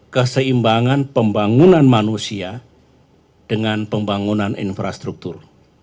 keseimbangan pembangunan manusia dengan pembangunan infrastruktur